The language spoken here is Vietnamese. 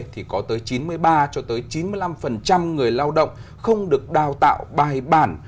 thì có tới chín mươi ba cho tới chín mươi năm người lao động không được đào tạo bài bản